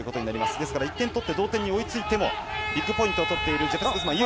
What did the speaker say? ですから１点取って追いついてもビッグポイントを取っているジェペス・グスマン。